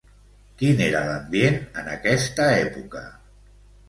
Quin era l'ambient en aquesta època?